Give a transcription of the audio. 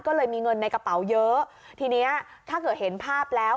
ก็เลยมีเงินในกระเป๋าเยอะทีเนี้ยถ้าเกิดเห็นภาพแล้ว